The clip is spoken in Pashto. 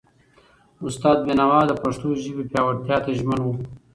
استاد بینوا د پښتو ژبې پیاوړتیا ته ژمن و.